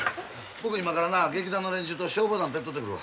僕今からな劇団の連中と消防団手伝うてくるわ。